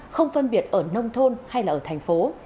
không phân biệt ở nông thôn hay là ở thành phố